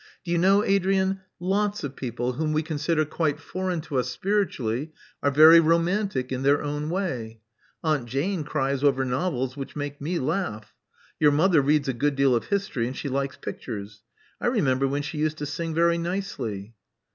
Do you know, Adrian, lots of people whom we consider quite foreign to us spiritually, are very romantic in their own way. io8 Love Among the Artists Aunt Jane cries over novels which make me laugh. Your mother reads a good deal of history, and she likes pictures. I remember when she used to sing very nicely."